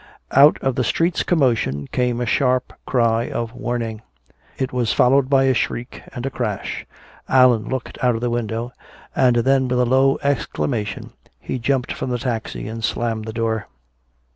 Out of the street's commotion came a sharp cry of warning. It was followed by a shriek and a crash. Allan looked out of the window, and then with a low exclamation he jumped from the taxi and slammed the door.